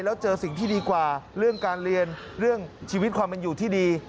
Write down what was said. แล้วเจอสิ่งที่ดีกว่าเรื่องการเรียนเรื่องชีวิตความเป็นอยู่ที่ดี